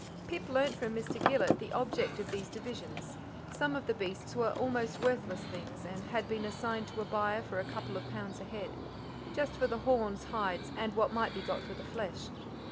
Pip learnt from Mr. Gillet the object of these divisions: some of the beasts were almost worthless things, and had been assigned to a buyer for a couple of pounds a head, just for the horns, hides, and what might be got for the flesh.